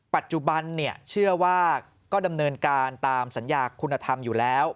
ปัจจุบันเชื่อว่าก็ดำเนินการตามสัญญาคุณธรรมอยู่แล้ว